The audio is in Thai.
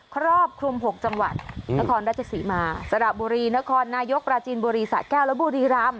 ครอบคลุม๖จังหวัดนครราชศรีมาสระบุรีนครนายกปราจีนบุรีสะแก้วและบุรีรำ